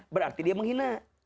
berarti dia menghina